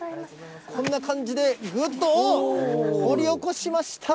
こんな感じでぐっと、おー、掘り起こしました。